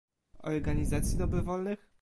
Organizacji dobrowolnych?